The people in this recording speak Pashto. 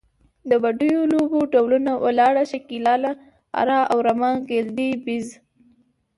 د بډیو لوبو ډولونه، ولاړه، شکیلاله، اره او رمه، ګیلدي، بیز …